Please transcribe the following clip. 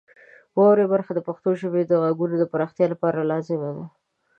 واورئ برخه د پښتو ژبې د غږونو د پراختیا لپاره لازمه ده.